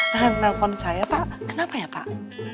nelfon saya pak kenapa ya pak